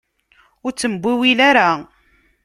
Ur ttembiwil ara.